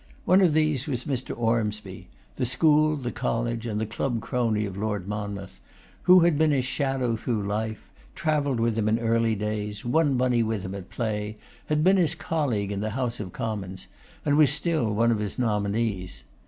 One of these was Mr. Ormsby; the school, the college, and the club crony of Lord Monmouth, who had been his shadow through life; travelled with him in early days, won money with him at play, had been his colleague in the House of Commons; and was still one of his nominees.